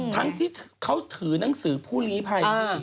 ทั้งที่เขาถือหนังสือผู้ลีภัยสิ